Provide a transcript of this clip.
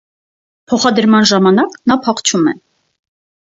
Փոխադրման ժամանակ նա փախչում է։